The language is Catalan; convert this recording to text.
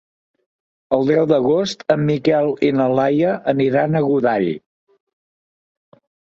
El deu d'agost en Miquel i na Laia aniran a Godall.